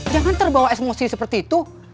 jangan terbawa emosi seperti itu